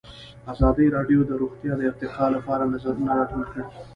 ازادي راډیو د روغتیا د ارتقا لپاره نظرونه راټول کړي.